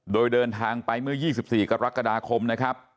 โดยเดินทางไปเมื่อ๒๔กรกฎาคมนะครับ